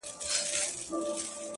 هره بریا د نظم نښه لري.!